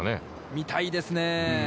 見たいですね。